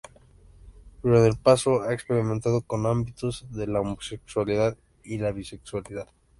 Pero en el pasado he experimentado con ámbitos de la homosexualidad y la bisexualidad.